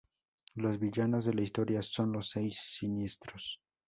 Los villanos de la historia son los Seis Siniestros.